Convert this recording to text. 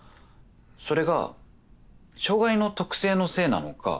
それが障害の特性のせいなのか。